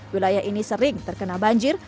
wilayah ini sering terkena banjir